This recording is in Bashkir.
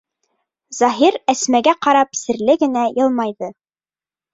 Заһир Әсмәгә ҡарап серле генә йылмайҙы.